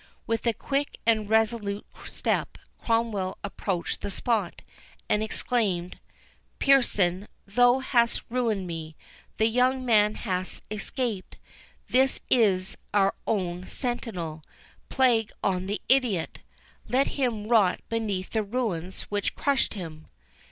With a quick and resolute step Cromwell approached the spot, and exclaimed, "Pearson, thou hast ruined me—the young Man hath escaped.—This is our own sentinel—plague on the idiot! Let him rot beneath the ruins which crushed him!"